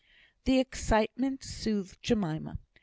The excitement soothed Jemima.